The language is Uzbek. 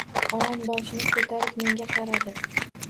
Onam boshini ko‘tarib menga qaradi.